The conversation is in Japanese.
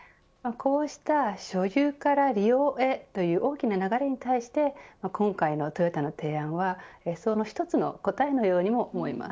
こうした所有から利用へという大きな流れに対して今回のトヨタの提案はその一つの答えのようにも思います。